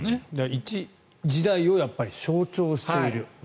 一時代を象徴しているような。